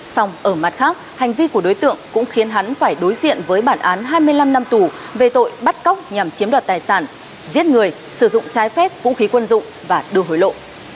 xong ở mặt khác hành vi của đối tượng cũng khiến hắn phải đối diện với bản án hai mươi năm năm tù về tội bắt cóc nhằm chiếm đoạt tài sản giết người sử dụng trái phép vũ khí quân dụng và đưa hối lộ